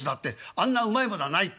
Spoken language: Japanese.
あんなうまいものはないって」。